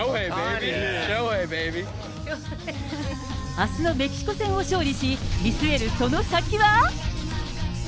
あすのメキシコ戦を勝利し、見据えるその先は。